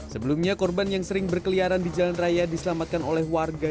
sebelumnya korban yang sering berkeliaran di jalan raya diselamatkan oleh warga